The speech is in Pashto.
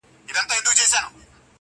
ماشومان لوبې ډېرې خوښوي